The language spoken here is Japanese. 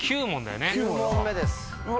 ９問目です。